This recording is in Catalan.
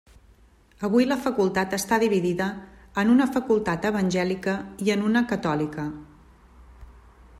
Avui la facultat està dividida en una facultat evangèlica i en una catòlica.